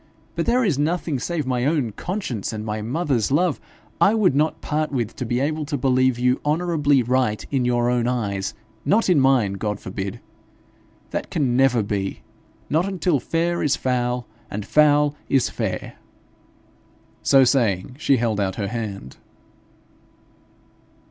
But there is nothing save my own conscience and my mother's love I would not part with to be able to believe you honourably right in your own eyes not in mine God forbid! That can never be not until fair is foul and foul is fair.' So saying, she held out her hand.